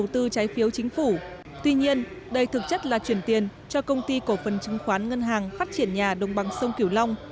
tuy nhiên đây thực chất là chuyển tiền cho công ty cổ phần chứng khoán ngân hàng phát triển nhà đồng bằng sông kiểu long